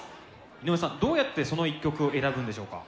井上さんどうやってその１曲を選ぶんでしょうか？